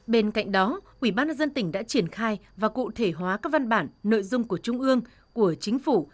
bên cạnh đó ubnd tỉnh đã triển khai và cụ thể hóa các văn bản nội dung của trung ương của chính phủ